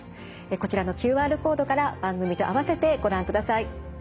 こちらのＱＲコードから番組と併せてご覧ください。